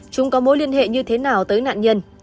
chúng có mối liên hệ như thế nào tới nạn nhân